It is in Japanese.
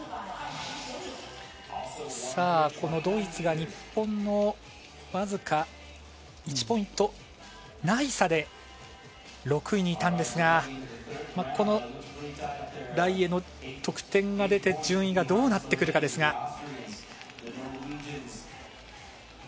ドイツが日本の僅か１ポイントない差で６位にいたんですが、このライエの得点が出て、順位がどうなってくるかですが。